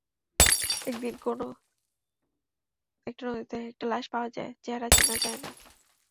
একদিন কোনো একটা নদীতে একটা লাশ পাওয়া যায়, চেহারা চেনা যায় না।